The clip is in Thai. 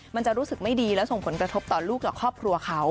มันจะรู้สึกไม่ดีและส่งผลกระทบต่อลูกต่อครอบครัวเขา